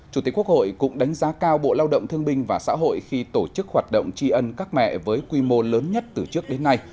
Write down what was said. chủ tịch quốc hội cũng đánh giá cao bộ lao động thương binh và xã hội khi tổ chức hoạt động tri ân các mẹ với quy mô lớn nhất từ trước đến nay